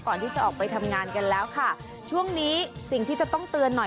ก่อนที่จะออกไปทำงานกันแล้วค่ะช่วงนี้สิ่งที่จะต้องเตือนหน่อย